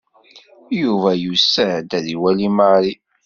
Yuba yusa-d ad iwali Mary.